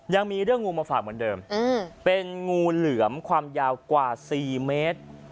ยังมีเรื่องงูมาฝากเหมือนเดิมเป็นงูเหลือมความยาวกว่า๔เมตร